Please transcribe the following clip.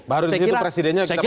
baru disitu presidennya kita panjakan